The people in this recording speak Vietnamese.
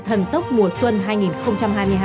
thần tốc mùa xuân hai nghìn hai mươi hai